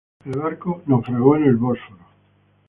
El barco naufragó en el Bósforo.